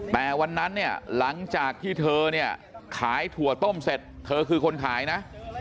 แต่วันนั้นเนี่ยหลังจากที่เธอเนี่ยขายถั่วต้มเสร็จเธอคือคนขายนะ